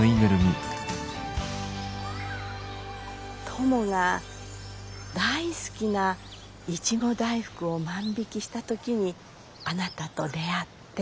トモが大好きなイチゴ大福を万引きした時にあなたと出会って。